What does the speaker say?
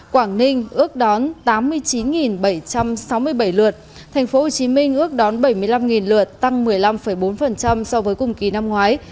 quảng ninh ước đón tám mươi chín bảy trăm sáu mươi bảy lượt tp hcm ước đón bảy mươi năm lượt tăng một mươi năm bốn so với cùng kỳ năm ngoái